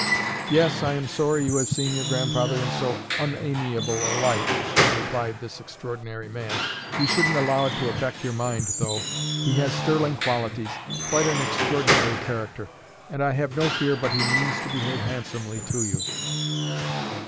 "Yes, I am sorry you have seen your grandfather in so unamiable a light," replied this extraordinary man. "You shouldn't allow it to affect your mind though. He has sterling qualities, quite an extraordinary character; and I have no fear but he means to behave handsomely to you."